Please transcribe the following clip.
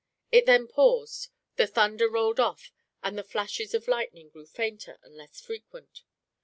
It then paused; the thunder rolled off, and the flashes of lightning grew fainter and less frequent.